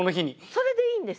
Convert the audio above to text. それでいいんです！